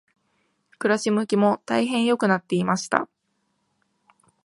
暮し向きも大変良くなっていました。